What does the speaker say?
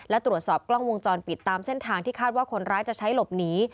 และตรวจสอบกล้องวงจรปิดตามเส้นทางที่คาดว่าคนร้ายจะใช้หลบหนี